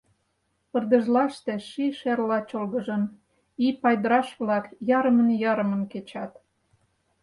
«Пырдыжлаште», ший шерла чолгыжын, ий падыраш-влак ярымын-ярымын кечат.